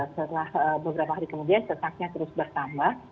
setelah beberapa hari kemudian sesaknya terus bertambah